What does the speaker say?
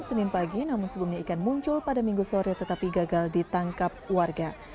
senin pagi namun sebelumnya ikan muncul pada minggu sore tetapi gagal ditangkap warga